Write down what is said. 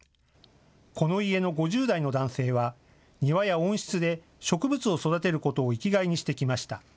この家の５０代の男性は庭や温室で植物を育てることを生きがいにしてきました。